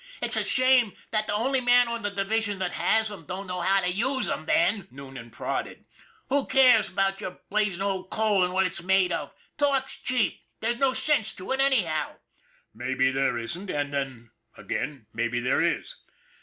" It's a shame that the only man on the division that has 'em, don't know how to use 'em, then," Noonan prodded. " Who cares about your blazing old coal and what it's made of? Talk's cheap. There's no sense to it, anyhow." " Maybe there isn't, and then again maybe there is.